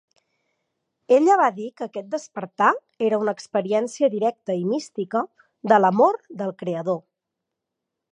Ella va dir que aquest despertar era una experiència directa i mística de l'amor del "creador".